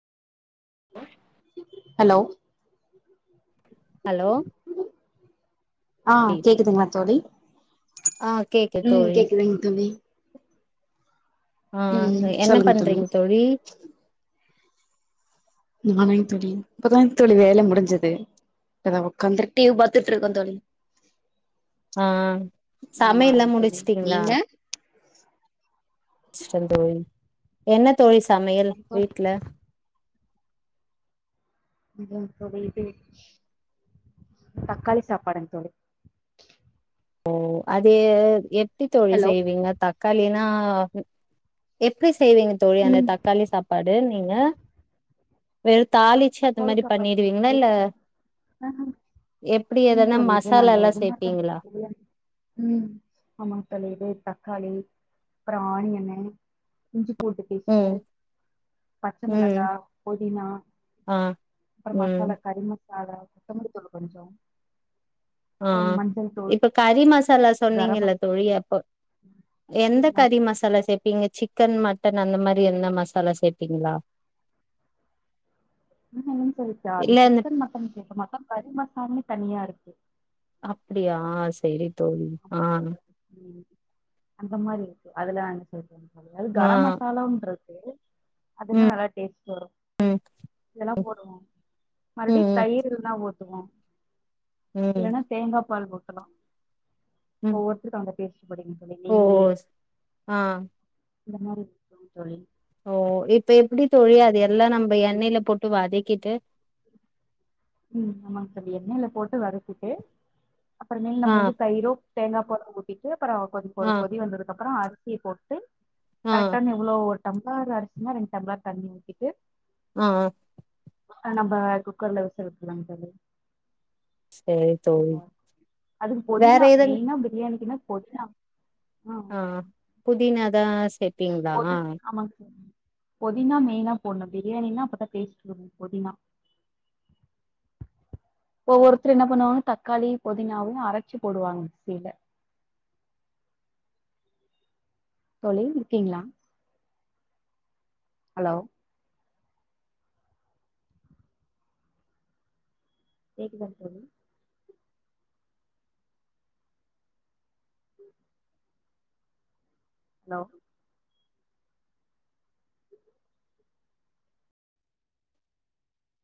[inaudible] Hello hello ஆ கேக்குதுங்களா தோலி ஆ கேக்கு உ தோழி கேக்குதுங்க தோலி அ என்ன சொல்லுங்க தோழி பண்றீங்க தோலி குட் மார்னிங் தோலி இப்பதா தோலி வேல முடிஞ்சது [unintelligible] உக்காந்துட்டு டி வி பாத்துட்ருக்க தோலி அ சமையல்லா தோழி முடிச்சுட்டீங்களா நீங்க ச்சிட்டே தோலி என்ன தோழி சமையல் எனக்கு தோழி வீட்ல என்ன தோலிஇது தக்காளி சாப்பாடு தோலி ஓ அதே எப் டி தோலி ஹலோ செய்வீங்க தக்காளினா ஆ உ எப்டி செய்வீங்க தோலி அந்த ம் தக்காளி சாப்பாடு நீங்க வெறுத் தாளிச்சு அந்த தக்காளி மாரி சாப்பாடுங்க பண்ணிடுவீங்களா தோழி இல்ல ஆஹா எப்டி இல்லைங்க எதனா தோழி மசாலாயெல்லா சேப்பீங்களா உ ஆமாங்க தோலி இது தக்காளி ஆனியன் இஞ்சி பூண்டு பூண்டு பேஸ்ட்டு ம் பச்ச ம் மிளகா புதினா ஆ அப்பறோ ம் மசாலா கறி மசா வேற கொத்தமல்லி தூள் கொஞ்சோ ஆ ஆ இப்ப கறி மசாலா கரம் சொன்னீங்கல்ல மசாலா தோலி அப்போ ம். எந்த கறி நமக்கு மசாலா சேப்பீங்க சி க்கன் மட்டன் அந்த மாரி எத்னா மசாலா சேப்பீங்களா [unintelligible] என்ன சொல்லச்சா அது இல்ல இந்த சிக்கன் மட்டன் சேக்க மாட்டோ கறி மசாலனு தனியா இருக்கு ஓகே [unintelligible] அப்டியா சரி தோழி ஆமா ஆ தோழர். ம் அந்த மாதிரி இருக்கு அதுலா அணுப்பக அது ஆ கரம் மசாலான்றது அதுல்லாம் ம் நல்லா டேஸ்ட் வரு ம் இதெல்லா போடுவோ மறுபடி ம் தயிர் இருந்தா ஊ துவோ ம் இல்லன்னா தேங்காபால் போட் சொலா ம் ஒவ்வொருத்தருக்கு அவங்க பேசிட்டு போடுங்கு தோழி ஓ நெய்யி ஆ இந்த மாரி இருக்கு ஓ இப்ப எப்படி தொழியாது எல்லா நம்ம எண்ணெய்ல போட்டு வதிக் கிட்டு உ ஆமாங்க என்னல போட்டு வதகிட்டு அப்புறமேல ஆ நம்ம வந்து தயிரோ தேங்காய் பாலோ ஊத்திட்டு அப்புறோ ஆ ஒரு கொதி வந்ததுக்கு அப்புறோ அரி டி போட்டு ஆ கரெக்டான இவ்ளோ டம்ளாறு அரிசினா ரன்டு டம்பளர் தண்ணி ஊத்திட்டு ஆ ஆ நாம்ப குக்கர்ல சக்கிலாம் தோழி செரி தோழி [unintelligible] அதுக் வேற பொதினா எதும் மெயினா பிரியாணிக்குன்னா போச்சா ஆ புதினாக் தா சேப்பிங்ளா புதி ஆமாங்க சார் புதினா மெயினா போடணு பிரியாணின்னா அப்பதா டேஸ்ட் இருக்கு புதினா இப்ப ஒவ் ஒருத்தர் என்ன பண்ணுவாங்க தக்காளி புதினாவையு அரைச்சு போடுவாங்க மிக்சில தொழி இருக்கீங்களா ஆலோ கேக்குதாங் தொழி அலோ